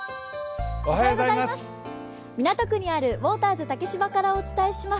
港区にあるウォーターズ竹芝からお伝えします。